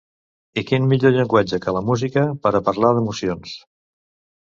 I quin millor llenguatge que la música per a parlar d'emocions.